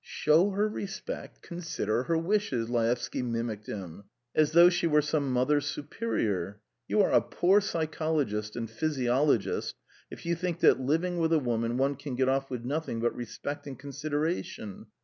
..." "'Show her respect, consider her wishes,'" Laevsky mimicked him. "As though she were some Mother Superior! ... You are a poor psychologist and physiologist if you think that living with a woman one can get off with nothing but respect and consideration.